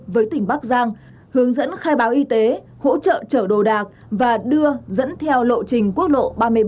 với tỉnh bắc giang hướng dẫn khai báo y tế hỗ trợ trở đồ đạc và đưa dẫn theo lộ trình quốc lộ ba mươi bảy